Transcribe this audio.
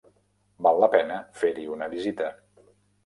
Val la pena fer-hi una visita.